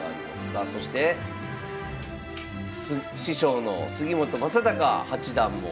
さあそして師匠の杉本昌隆八段も。